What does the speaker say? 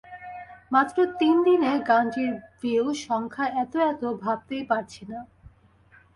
মাত্র তিন দিনে গানটির ভিউ সংখ্যা এত এত, ভাবতেই পারছি না।